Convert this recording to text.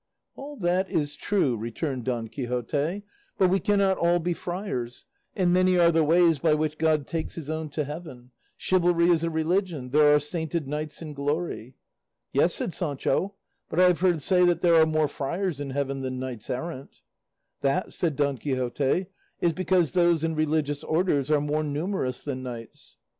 "All that is true," returned Don Quixote, "but we cannot all be friars, and many are the ways by which God takes his own to heaven; chivalry is a religion, there are sainted knights in glory." "Yes," said Sancho, "but I have heard say that there are more friars in heaven than knights errant." "That," said Don Quixote, "is because those in religious orders are more numerous than knights."